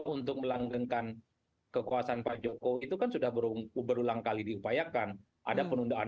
untuk melanggengkan kekuasaan pak jokowi itu kan sudah berulang kali diupayakan ada penundaan